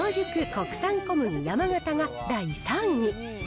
国産小麦山型が第３位。